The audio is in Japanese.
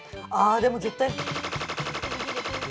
でも絶対。